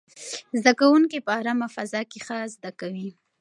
زده کوونکي په ارامه فضا کې ښه زده کوي.